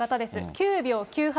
９秒９８。